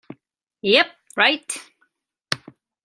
Yep, right!